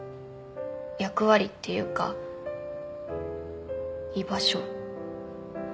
役割っていうか居場所。